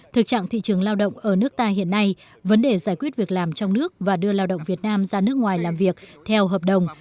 thực trạng thị trường lao động ở nước ta hiện nay vấn đề giải quyết việc làm trong nước và đưa lao động việt nam ra nước ngoài làm việc theo hợp đồng